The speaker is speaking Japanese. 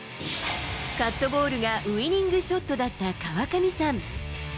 カットボールがウイニングショットだった川上さん。